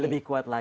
lebih kuat lagi